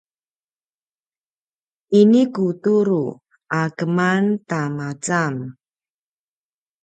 ini ku turu a keman ta macam